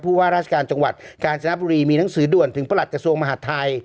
ว่าราชการจังหวัดกาญจนบุรีมีหนังสือด่วนถึงประหลัดกระทรวงมหาดไทย